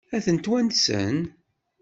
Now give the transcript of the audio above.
Ad tent-wansen?